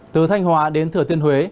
từ thanh hòa đến thừa tiên huế